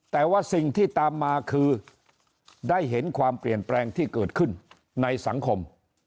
แต่ว่าสิ่งที่ตามมาคือได้เห็นความเปลี่ยนแปลงที่เกิดขึ้นในสังคม